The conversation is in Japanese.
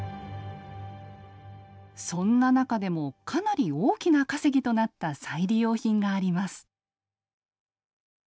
そんな中でもかなり大きな稼ぎとなった再利用品があります。